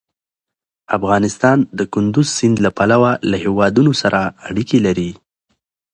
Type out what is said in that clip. افغانستان د کندز سیند له پلوه له هېوادونو سره اړیکې لري.